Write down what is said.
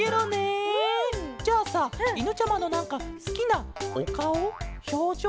じゃあさいぬちゃまのなんかすきなおかおひょうじょうとかってあるケロ？